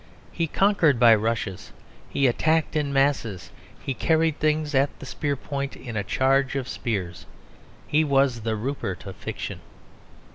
He conquered by rushes; he attacked in masses; he carried things at the spear point in a charge of spears; he was the Rupert of Fiction.